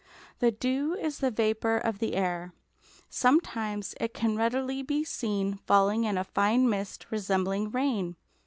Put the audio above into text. The dew is the vapour of the air. Sometimes it can readily be seen falling in a fine mist resembling rain.